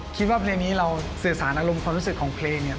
คิดว่าเพลงนี้เราเสียสารอารมณ์ความรู้สึกของเพลง